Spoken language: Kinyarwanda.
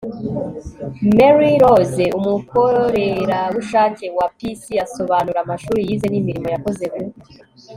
mary rose, umukorerabushake wa pc asobanura amashuri yize n'imirimo yakoze mu